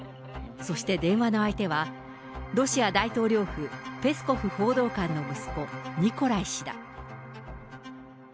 そして電話の相手は、ロシア大統領府、ペスコフ報道官の息子、ニコライ氏だ。